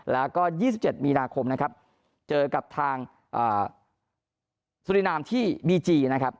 แล้วก็ยี่สิบเจอกับทางอ่าสุรินามที่บีจีนะครับ